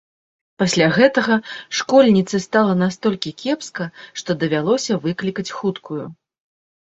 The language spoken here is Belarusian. Пасля гэтага школьніцы стала настолькі кепска, што давялося выклікаць хуткую.